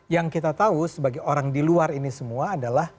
yang kita tahu sebagai orang di luar ini semua adalah